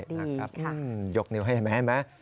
หื้มหยกนิวให้เห็นไหม